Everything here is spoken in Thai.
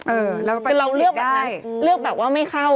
เออเราก็ปฏิเสธได้เราเลือกแบบนั้นเลือกแบบว่าไม่เข้า